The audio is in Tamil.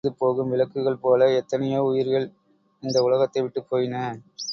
காற்றடித்து அணைந்து போகும் விளக்குகள் போல எத்தனையோ உயிர்கள் இந்த உலகத்தைவிட்டுப் போயின.